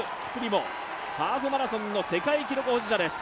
ハーフマラソンの世界記録保持者です。